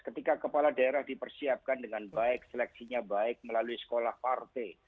ketika kepala daerah dipersiapkan dengan baik seleksinya baik melalui sekolah partai